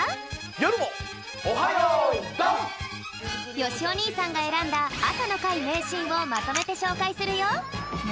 よしおにいさんがえらんだあさのかいめいシーンをまとめてしょうかいするよ！